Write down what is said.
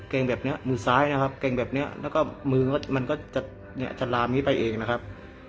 แกร่งแบบนี้มือซ้ายนะครับ